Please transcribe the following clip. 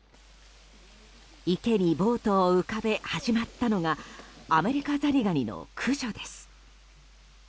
池にボートを浮かべ始まったのがアメリカザリガニの駆除です。